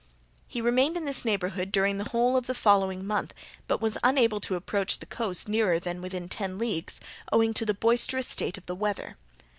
He remained in this neighbourhood during the whole of the following month, but was unable to approach the coast nearer than within ten leagues, owing to the boisterous state of the weather.